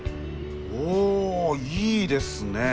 おいいですね。